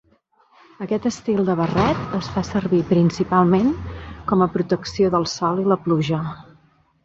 Aquest estil de barret es fa servir principalment com a protecció del sol i la pluja.